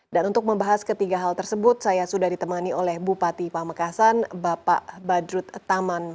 dan untuk membahas ketiga hal tersebut saya sudah ditemani oleh bupati pamekasan bapak badrut taman